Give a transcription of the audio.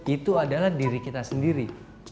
itu adalah diri kita sendiri